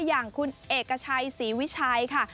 อย่างคุณเอกชัยศรีวิชัยค่ะ